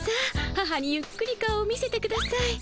母にゆっくり顔を見せてください。